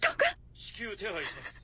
至急手配します。